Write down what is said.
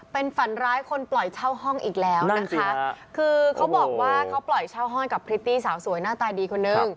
เป็นฝันร้ายคนปล่อยเช่าห้องอีกแล้วนะคะคือเขาบอกว่าเขาปล่อยเช่าห้องกับพริตตี้สาวสวยหน้าตาดีคนนึง